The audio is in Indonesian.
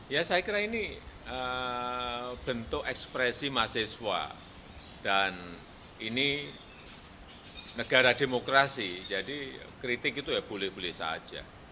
ya saya kira ini bentuk ekspresi mahasiswa dan ini negara demokrasi jadi kritik itu ya boleh boleh saja